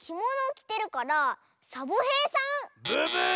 ブブーッ！